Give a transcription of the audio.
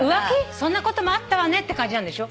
そんなこともあったわねって感じなんでしょ？